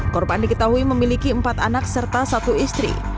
korban diketahui memiliki empat anak serta satu istri